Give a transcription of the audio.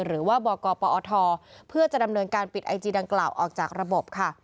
หรือว่าบกปอทเพื่อจะดำเนินการปิดไอจีดังกล่าวออกจากระบบค่ะ